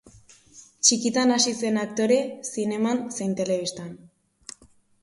Txikitan hasi zen aktore zineman zein telebistan.